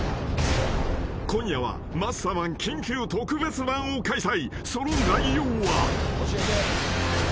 ［今夜はマッサマン緊急特別版を開催］